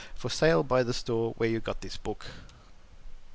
For Sale by the Store where you got this book.